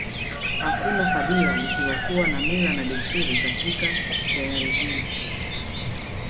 Hakuna kabila lisilokuwa na mila na desturi katika sayari hii